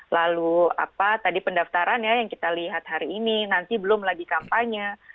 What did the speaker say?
lalu apa tadi pendaftaran ya yang kita lihat hari ini nanti belum lagi kampanye